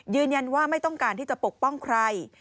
ยืนยันว่าไม่ต้องการที่จะปกป้องใคร